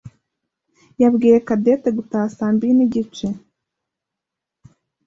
yabwiye Cadette gutaha saa mbiri nigice.